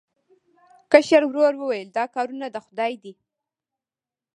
کشر ورور وویل دا کارونه د خدای دي.